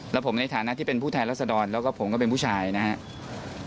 แล้วผมในฐานะที่เป็นผู้แทนรัศดรแล้วก็ผมก็เป็นผู้ชายนะครับ